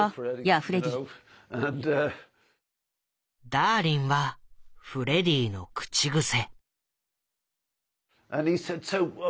「ダーリン」はフレディの口癖。